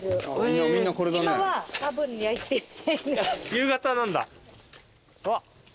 夕方なんだ。